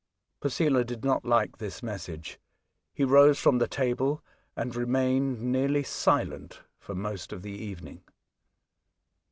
Posela did not Hke this message. He rose from the table and remained nearly silent for most of the evening.